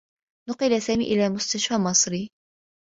نُقِل سامي إلى مستشفى مصري.